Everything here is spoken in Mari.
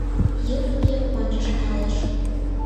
Йырым-йыр ончышт налеш.